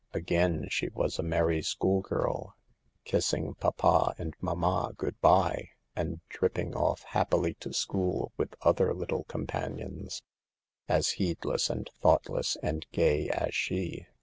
Again she was a merry school girl, kissing papa and mamma good bye, and tripping off happily to school with other little companions, as heedless, and thoughtless, and gay as she.